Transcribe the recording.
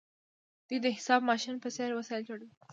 دوی د حساب ماشین په څیر وسایل جوړوي.